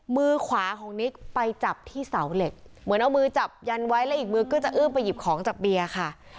มือขวาของนิกไปจับที่เสาเหล็กเหมือนเอามือจับยันไว้แล้วอีกมือก็จะอื้อมไปหยิบของจากเบียร์ค่ะ